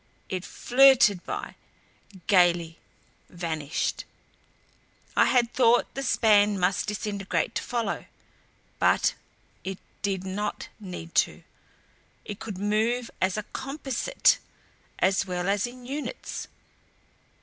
It FLIRTED by gaily; vanished. I had thought the span must disintegrate to follow and it did not need to! It could move as a COMPOSITE as well as in UNITS.